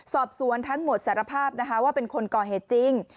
สอบสวนทั้งหมดสารภาพนะคะว่าเป็นคนก่อเหตุจริง